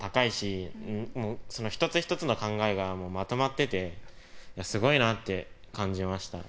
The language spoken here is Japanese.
一つ一つの考えがまとまっててすごいなって感じました。